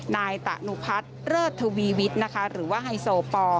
นายตะนุพัฒน์เลิศทวีวิทย์นะคะหรือว่าไฮโซปอล